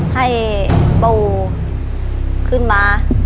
ให้ปู่ขึ้นมา